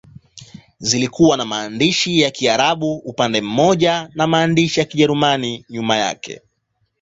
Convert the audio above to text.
Zilikuwa na maandishi ya Kiarabu upande mmoja na maandishi ya Kijerumani nyuma yake.